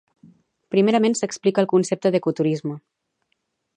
Primerament, s'explica el concepte d'ecoturisme.